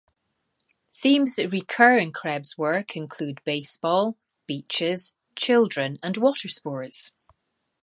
Themes that recur in Krebs's work include baseball, beaches, children and water sports.